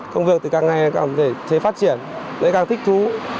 công việc thì càng ngày càng thể phát triển đấy càng thích thú